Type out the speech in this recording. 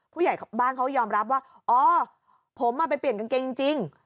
ผู้ใหญ่บ้านเขายอมรับว่าอ๋อผมไปเปลี่ยนกางเกงจริง